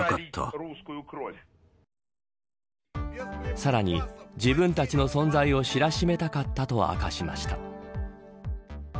さらに、自分たちの存在を知らしめたかったと明かしました。